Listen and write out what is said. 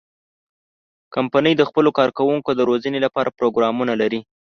کمپنۍ د خپلو کارکوونکو د روزنې لپاره پروګرامونه لري.